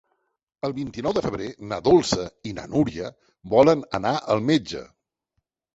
El vint-i-nou de febrer na Dolça i na Núria volen anar al metge.